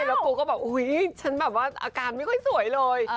แล้วปูก็บอกอุ๊ยฉันแบบว่าอาการไม่ค่อยสวยเลย